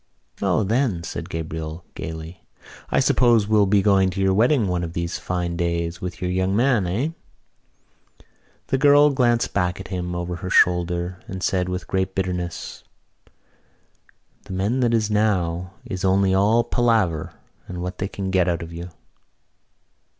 "O, then," said Gabriel gaily, "I suppose we'll be going to your wedding one of these fine days with your young man, eh?" The girl glanced back at him over her shoulder and said with great bitterness: "The men that is now is only all palaver and what they can get out of you."